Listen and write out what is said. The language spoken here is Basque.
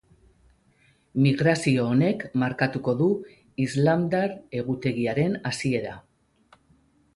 Migrazio honek markatuko du islamdar egutegiaren hasiera.